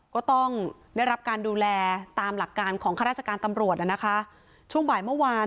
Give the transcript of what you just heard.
ก็ต้องได้รับการดูแลตามหลักการของข้าราชการตำรวจนะคะช่วงบ่ายเมื่อวาน